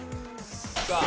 さあ。